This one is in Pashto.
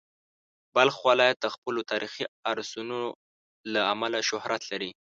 بلخ ولایت د خپلو تاریخي ارثونو له امله شهرت لري.